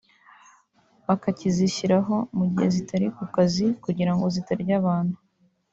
bakakizishyiraho mu gihe zitari ku kazi kugira ngo zitarya abantu